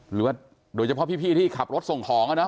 หรือว่าโดยเฉพาะพี่ที่ขับรถส่งของนะ